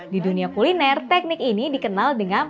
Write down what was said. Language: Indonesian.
di dunia kuliner teknik ini dikenal dengan